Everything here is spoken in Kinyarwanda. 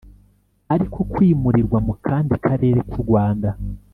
ariko kwimurirwa mu kandi karere k u rwanda